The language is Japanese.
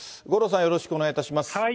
五郎さん、よろしくお願いいたします。